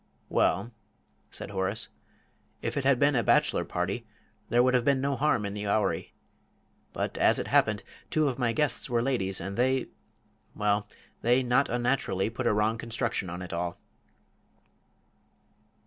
"Well," said Horace, "if it had been a bachelor party, there would have been no harm in the houri; but, as it happened, two of my guests were ladies, and they well, they not unnaturally put a wrong construction on it all."